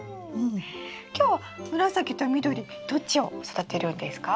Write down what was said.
今日は紫と緑どっちを育てるんですか？